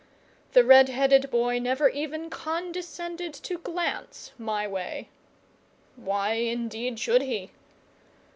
The red headed boy never even condescended to glance my way. Why, indeed, should he?